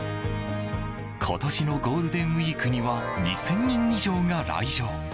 今年のゴールデンウィークには２０００人以上が来場。